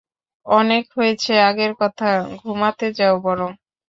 অনেক হয়েছে আগের কথা, ঘুমোতে যাও বরং।